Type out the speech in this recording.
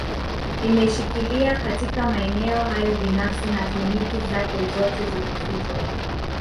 Imeshikilia katika maeneo haya binafsi na kliniki zake zpote zilifutwa